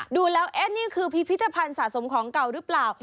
ดูแล้วนี่คือพิพิธภัณฑ์สะสมของเก่าหรือเปล่า